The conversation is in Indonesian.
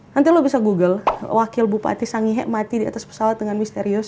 nanti lo bisa google wakil bupati yang membela itu bareng sama gue mati di atas pesawat dengan misterius